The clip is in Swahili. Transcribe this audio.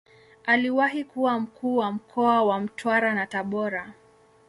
Aliwahi kuwa Mkuu wa mkoa wa Mtwara na Tabora.